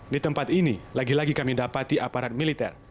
di tempat ini lagi lagi kami dapati aparat militer